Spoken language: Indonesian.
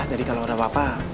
jadi kalo ada apa apa